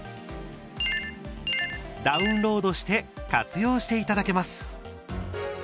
ダウンロードして活用していただけます。